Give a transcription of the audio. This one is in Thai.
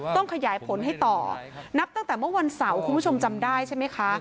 ต้องขยายผลให้ต่อนับตั้งแต่เมื่อวันเสาร์คุณผู้ชมจำได้ใช่ไหมคะ